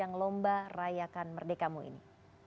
yang lomba rayakan merdekamu ini